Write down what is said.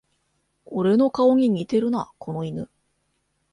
俺の顔に似てるな、この犬